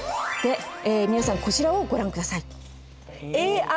で皆さんこちらをご覧下さい。